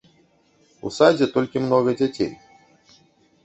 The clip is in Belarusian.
У садзе толькі многа дзяцей.